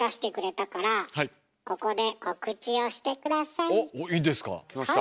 いいんですか？